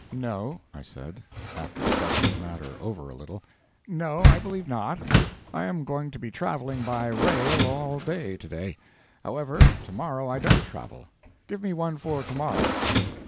"No," I said, after studying the matter over a little. "No, I believe not; I am going to be travelling by rail all day to day. However, to morrow I don't travel. Give me one for to morrow."